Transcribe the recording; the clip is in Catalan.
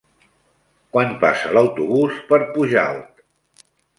Quan passa l'autobús per Pujalt?